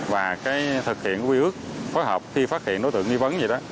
và thực hiện quy ước phối hợp khi phát hiện đối tượng nghi vấn gì đó